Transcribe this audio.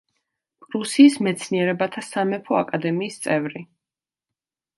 პრუსიის მეცნიერებათა სამეფო აკადემიის წევრი.